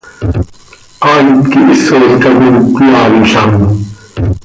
Haait quih ísolca coi cöyaanlam.